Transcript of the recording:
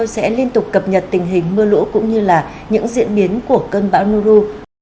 sẽ liên tục cập nhật tình hình mưa lũ cũng như là những diễn biến của cơn bão nu